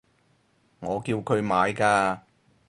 我叫佢買㗎